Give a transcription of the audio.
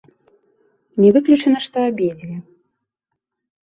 Не выключана, што абедзве.